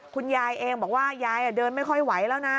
คุณยายเองบอกว่ายายเดินไม่ค่อยไหวแล้วนะ